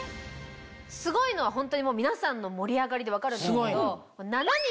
すごいのはホントにもう皆さんの盛り上がりで分かるんですけど。